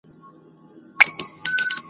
افريدی دی که مومند دی `